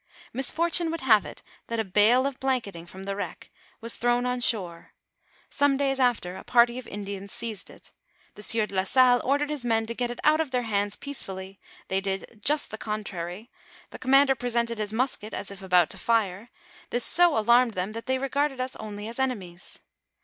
Misfortune would have it that a bale of blanketing from "'f? 192 NABBATIYE OF FATHKB MEMBBE. J'^ . c '^IXI* >i the wreck was thrown on shore ; some days after a party of Indians seized it, the sienr de la Salle ordered his men to get it out of their hands peaceably ; they did just the con trary ; the commander presented his musket as if about to fire ; this so alarmed them, that they regarded us only as enemies.